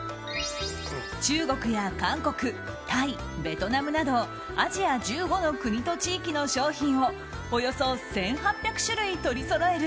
中国や韓国、タイ、ベトナムなどアジア１５の国と地域の商品をおよそ１８００種類取りそろえる